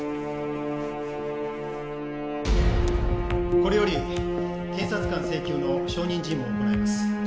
これより検察官請求の証人尋問を行います